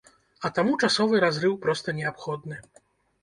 А таму часовы разрыў проста неабходны.